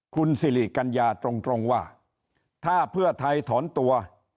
คุณสิริกัญญาตรงว่าถ้าเพื่อไทยถอนตัว